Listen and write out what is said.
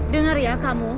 dengar ya kamu